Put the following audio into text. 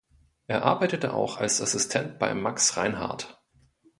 Er arbeitete auch als Assistent bei Max Reinhardt.